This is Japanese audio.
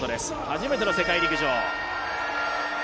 初めての世界陸上。